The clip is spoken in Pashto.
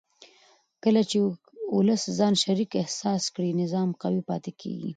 کله چې ولس ځان شریک احساس کړي نظام قوي پاتې کېږي